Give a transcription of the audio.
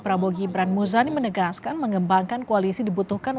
akhir moral dari yang quoi saya pake